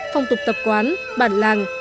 phong tục tập quán bản làng